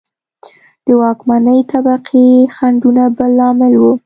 د واکمنې طبقې خنډونه بل لامل و.